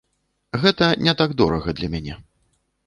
Гэта не так дорага для мяне.